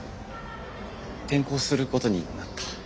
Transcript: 転校することになった。